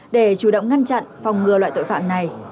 để chủ động ngăn chặn phòng ngừa loại tội phạm này